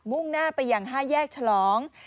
่งหน้าไปอย่าง๕แยกฉลอง